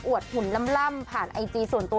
หุ่นล่ำผ่านไอจีส่วนตัว